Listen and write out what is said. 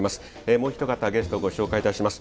もう一方ゲストをご紹介いたします。